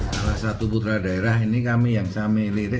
salah satu putra daerah ini kami yang kami lirik